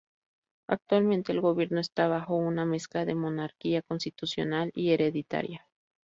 Actualmente el gobierno está bajo una mezcla de monarquía constitucional y hereditaria.